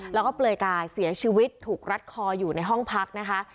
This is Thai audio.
แล้วก็เปลือยกายเสียชีวิตถูกรัดคออยู่ในห้องพักนะคะ